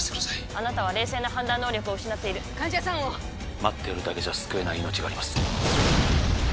あなたは冷静な判断能力を失っている患者さんを待っているだけじゃ救えない命があります